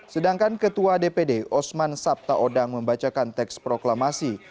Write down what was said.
sedangkan ketua dpd osman sabtaodang membacakan teks proklamasi